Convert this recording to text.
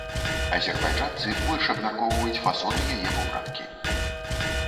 Азербайджанцы больш абмяркоўваюць фасоны яе вопраткі.